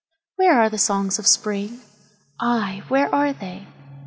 Where are the songs of Spring? Ay, where are they?